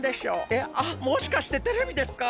えっあっもしかしてテレビですか？